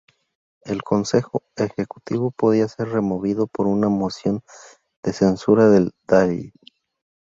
El Consejo Ejecutivo podía ser removido por una moción de censura del Dáil.